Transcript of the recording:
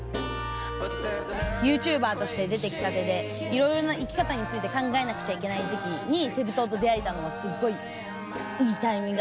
ＹｏｕＴｕｂｅｒとして出てきたてでいろいろな生き方について考えなくちゃいけない時期にセブ島と出合えたのは。